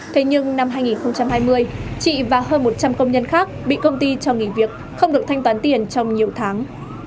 thế nhưng năm hai nghìn hai mươi chị và hơn một trăm linh công nhân khác bị công ty cho nghỉ việc không được thanh toán tiền trong nhiều tháng